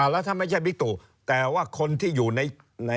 แล้วถ้าไม่ใช่บิ๊กตุแต่ว่าคนที่อยู่ใน